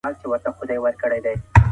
اقتصاد پياوړی کړو.